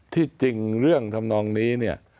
ที่จริงเรื่องทำนองนี้เนี่ย